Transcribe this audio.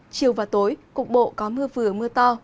chiều và tối cục bộ có mưa vừa mưa to